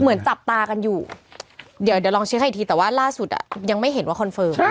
เหมือนจับตากันอยู่เดี๋ยวลองเช็คอีกทีแต่ว่าล่าสุดอ่ะยังไม่เห็นว่าคอนเฟิร์ม